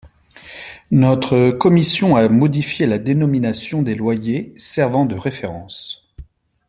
Notre commission a modifié la dénomination des loyers servant de référence.